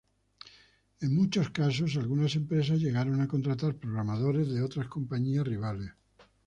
En muchos casos, algunas empresas llegaron a contratar programadores de otras compañías rivales.